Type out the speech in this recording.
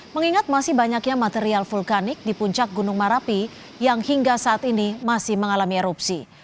mengingat masih banyaknya material vulkanik di puncak gunung merapi yang hingga saat ini masih mengalami erupsi